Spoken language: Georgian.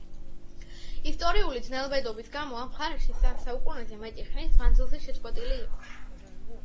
ისტორიული ძნელბედობის გამო ამ მხარეში სამ საუკუნეზე მეტი ხნის მანძილზე შეწყვეტილი იყო მართლმადიდებლური ღვთისმსახურება.